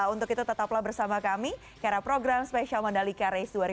untuk itu tetaplah bersama kami karena program spesial mandalika race dua ribu dua puluh dua akan segera kembali